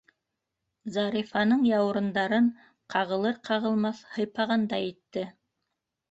Зарифаның яурындарын ҡағылыр-ҡағылмаҫ һыйпағандай итте.